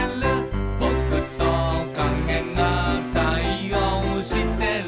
「ぼくと影が対応してる」